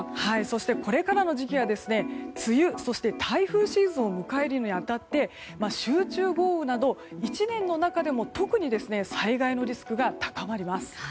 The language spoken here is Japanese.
そしてこれから時期は梅雨そして台風シーズンを迎えるに当たって集中豪雨など、１年の中でも特に災害のリスクが高まります。